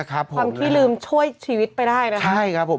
ครับผมค่ะความที่ลืมช่วยชีวิตไปได้นะครับ